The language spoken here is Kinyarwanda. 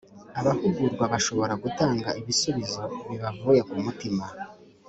abahugurwa bashobora gutanga ibisubizo bibavuye ku mutima